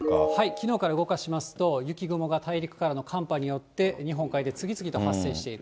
きのうから動かしますと、雪雲が大陸からの寒波によって、日本海で次々と発生している。